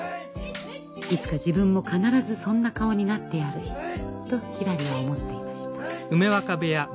いつか自分も必ずそんな顔になってやるとひらりは思っていました。